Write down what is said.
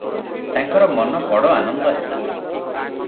ତାଙ୍କର ମନ ବଡ଼ ଆନନ୍ଦ ହେଲା ।